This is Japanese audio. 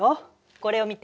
これを見て。